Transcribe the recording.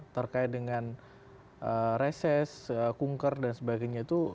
terkait dengan reses kunker dan sebagainya itu